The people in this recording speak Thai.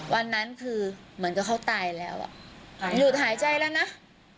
วันนั้นคือเหมือนกับเขาตายแล้วอ่ะหยุดหายใจแล้วนะ